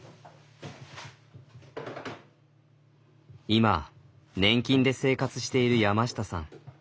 今年金で生活している山下さん。